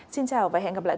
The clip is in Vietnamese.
xin chào và hẹn gặp lại